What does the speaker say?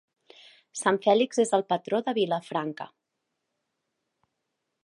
Sant Fèlix és el patró de Vilafranca.